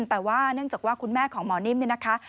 แต่ว่าเนื่องจากว่าคุณแม่ของหมอนิ่มเนี่ยนะคะ